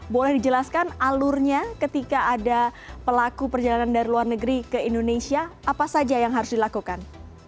boleh dijelaskan alurnya ketika ada pelaku perjalanan dari luar negeri ke indonesia apa saja yang harus dilakukan